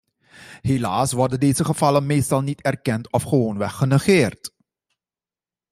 Helaas worden deze gevallen meestal niet erkend of gewoonweg genegeerd.